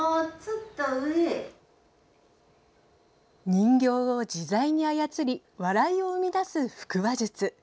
人形を自在に操り笑いを生み出す、腹話術。